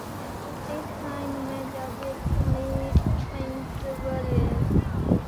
This signed measure takes only finite values.